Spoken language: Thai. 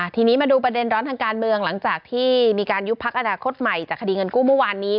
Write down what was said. ทีนี้มาดูประเด็นร้อนทางการเมืองหลังจากที่มีการยุบพักอนาคตใหม่จากคดีเงินกู้เมื่อวานนี้